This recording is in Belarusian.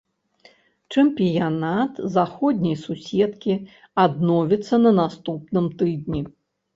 Чэмпіянат заходняй суседкі адновіцца на наступным тыдні.